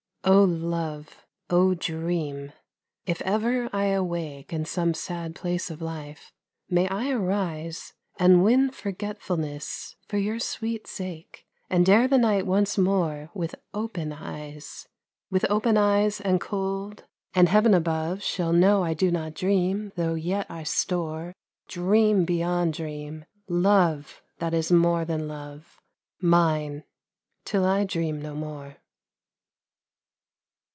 Oh love ! oh dream ! if ever I awake In some sad place of life, may I arise And win forgetfulness for your sweet sake, And dare the night once more with open eyes ; 47 DUST OF DREAMS With open eyes and cold, and heaven above Shall know I do not dream though yet I store Dream beyond dream, love that is moe than love, Mine, till I dream no more.